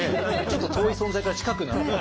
ちょっと遠い存在から近くなった。